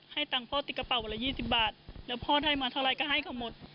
ตังค์พ่อติดกระเป๋าวันละ๒๐บาทแล้วพ่อได้มาเท่าไรก็ให้เขาหมด